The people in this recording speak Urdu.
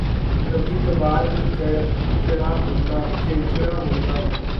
کبھی کبھار ہی چڑچڑا ہوتا ہوں